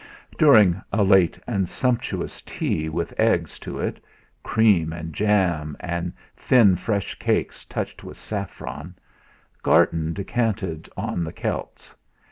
2 During a late and sumptuous tea with eggs to it, cream and jam, and thin, fresh cakes touched with saffron, Garton descanted on the Celts.